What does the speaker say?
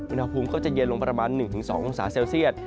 อุณหภูมิก็จะเย็นลงประมาณ๑๒องศาเซลเซียต